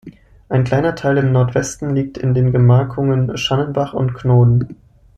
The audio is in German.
Ein kleiner Teil im Nordwesten liegt in den Gemarkungen Schannenbach und Knoden.